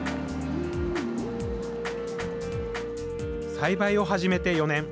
栽培を始めて４年。